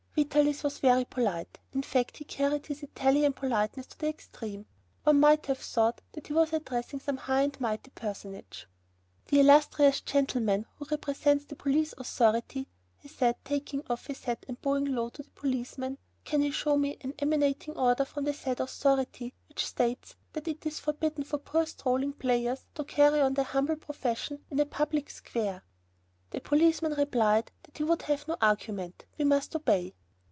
Vitalis was very polite; in fact he carried his Italian politeness to the extreme. One might have thought that he was addressing some high and mighty personage. "The illustrious gentleman, who represents the police authority," he said, taking off his hat and bowing low to the policeman, "can he show me an order emanating from the said authority, which states that it is forbidden for poor strolling players, like ourselves, to carry on their humble profession on a public square?" The policeman replied that he would have no argument. We must obey.